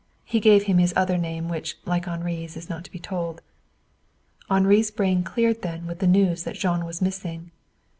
He gave him his other name, which, like Henri's, is not to be told. Henri's brain cleared then with the news that Jean was missing.